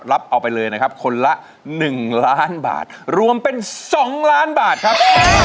รับเอาไปเลยนะครับคนละหนึ่งล้านบาทรวมเป็นสองล้านบาทครับ